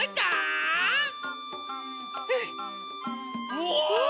うわ！